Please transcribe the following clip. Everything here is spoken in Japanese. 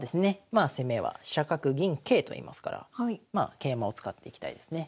まあ攻めは飛車角銀桂といいますから桂馬を使っていきたいですね。